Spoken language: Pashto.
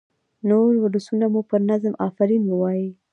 نور ولسونه مو پر نظم آفرین ووايي.